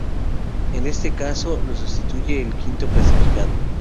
En este caso, lo sustituye el quinto clasificado.